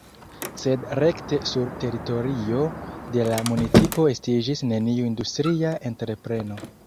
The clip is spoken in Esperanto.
Sed rekte sur teritorio de la municipo estiĝis neniu industria entrepreno.